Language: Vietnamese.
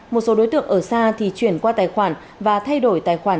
một số đối tượng ở xa thì chuyển qua tài khoản và thay đổi tài khoản